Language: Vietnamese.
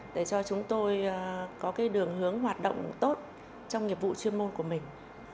để cho chúng tôi có cái đường hướng hoạt động tốt trong nhiệm vụ chuyên môn của mình